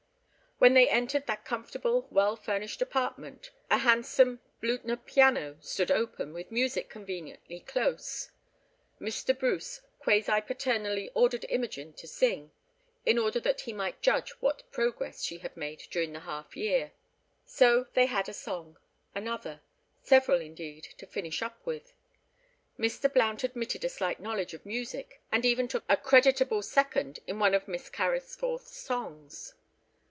When they entered that comfortable, well furnished apartment—a handsome Blüthner piano stood open, with music conveniently close—Mr. Bruce quasi paternally ordered Imogen to sing, in order that he might judge what progress she had made during the half year. So they had a song, another, several indeed to finish up with. Mr. Blount admitted a slight knowledge of music, and even took a creditable second in one of Miss Carrisforth's songs.